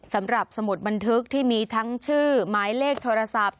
สำหรับสมุดบันทึกที่มีทั้งชื่อหมายเลขโทรศัพท์